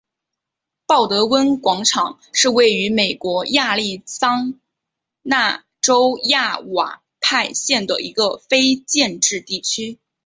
鲍德温广场是位于美国亚利桑那州亚瓦派县的一个非建制地区。